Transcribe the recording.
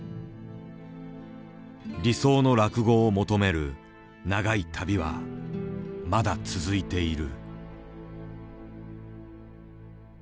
理想の落語を求める長い旅はまだ続いている。